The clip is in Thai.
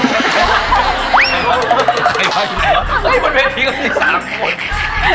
ไอ้น้องเครือก็สี่สามคน